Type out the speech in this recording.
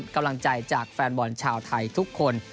กำลังใจจากแฟนบอลชาวไทยทุกคน